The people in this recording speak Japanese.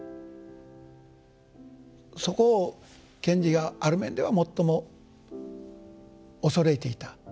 そこを賢治がある面では最も恐れていた。